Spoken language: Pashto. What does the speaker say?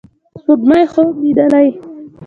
سپوږمۍ خوب لیدې